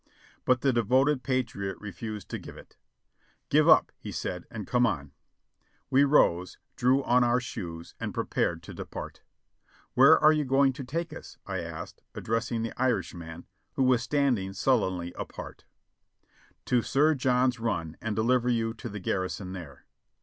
But the devoted patriot refused to give it. "Get up !" he said, "and come on." We rose, drew on our shoes and prepared to depart. "Where are you going to take us?" I asked, addressing the Irishman, who was standing sullenly apart. "To Sir John's Run and deliver you to the garrison there."